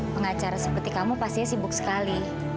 pengacara seperti kamu pastinya sibuk sekali